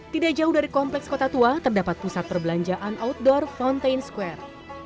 tidak jauh dari kompleks kota tua terdapat pusat perbelanjaan outdoor fountain square